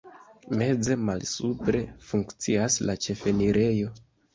Meze malsupre funkcias la ĉefenirejo.